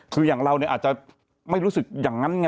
คืออย่างเราอาจจะไม่รู้สึกอย่างนั้นไง